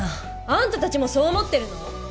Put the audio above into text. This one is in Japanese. あんたたちもそう思ってるの！？